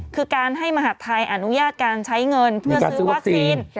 คือการให้มหาดไทยอนุญาตการใช้เงินเพื่อซื้อวัคซีน